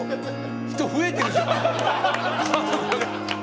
人増えてるじゃん！